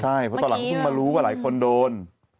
ใช่เพราะต่อหลังก็พึ่งมารู้ไว้หลายคนโดน